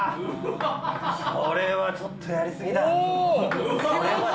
これはちょっと、やりすぎだ。